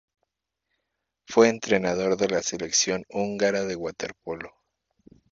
Fue entrenador de la selección húngara de waterpolo.